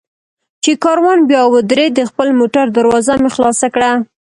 چې کاروان بیا ودرېد، د خپل موټر دروازه مې خلاصه کړه.